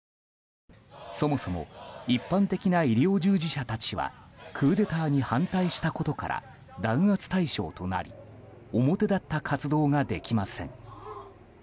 そもそも一般的な医療従事者たちはクーデターに反対したことから弾圧対象となり表立った活動ができません。